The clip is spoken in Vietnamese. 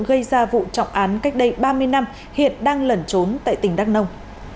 gây ra vụ trọng án cách đây ba mươi năm hiện đang lẩn trốn tại tỉnh đắk nông